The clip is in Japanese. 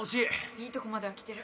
いいとこまではきてる